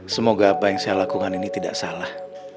semoga apa yang saya lakukan ini tidak salah